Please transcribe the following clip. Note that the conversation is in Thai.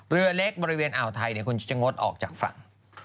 เรือเล็กบริเวณอ่าวไทยคุณจะงดออกจากฝั่ง